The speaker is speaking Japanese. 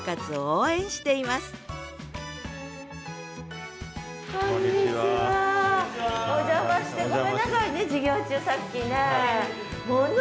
お邪魔してごめんなさいね授業中さっきね。